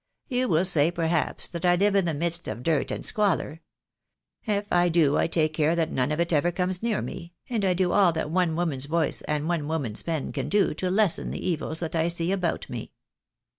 You will say, perhaps, that I live in the midst of dirt and squalor. If I do I take care that none of it ever comes near me, and I do all that one woman's voice and one woman's pen can do to lessen the evils that I see about me."